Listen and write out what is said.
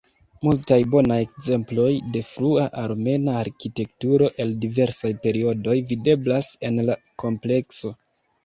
Multaj bonaj ekzemploj de frua armena arkitekturo el diversaj periodoj videblas en la komplekso.